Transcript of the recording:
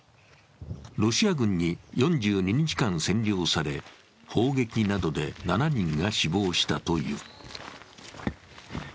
ロシア軍に４２日間占領され砲撃などで７人が死亡したという。